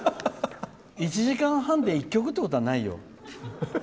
１時間半で１曲ってことはないよ。